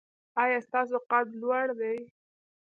ایا ستاسو قد لوړ دی؟